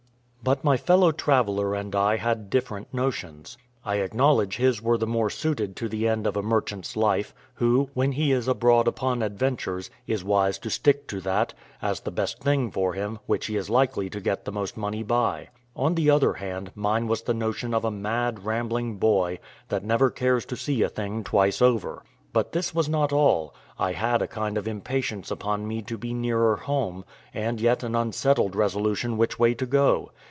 But my fellow traveller and I had different notions: I acknowledge his were the more suited to the end of a merchant's life: who, when he is abroad upon adventures, is wise to stick to that, as the best thing for him, which he is likely to get the most money by. On the other hand, mine was the notion of a mad, rambling boy, that never cares to see a thing twice over. But this was not all: I had a kind of impatience upon me to be nearer home, and yet an unsettled resolution which way to go.